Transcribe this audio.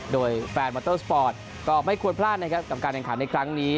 โดยแฟนมอเตอร์สปอร์ตก็ไม่ควรพลาดนะครับกับการแข่งขันในครั้งนี้